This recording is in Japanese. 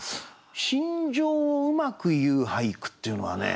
心情をうまく言う俳句っていうのはね